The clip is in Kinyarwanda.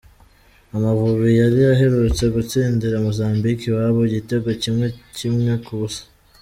Amavubi yari aherutse gutsindira Mozambique iwayo igitego kimwe kimwe ku busa.